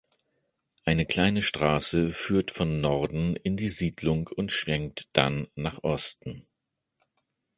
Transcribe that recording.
Eine kleine Straße führt von Norden in die Siedlung und schwenkt dann nach Osten.